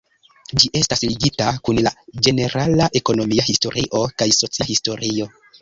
Ĝi estas ligita kun la ĝenerala ekonomia historio kaj socia historio.